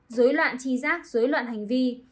dối loạn chi giác dối loạn hành vi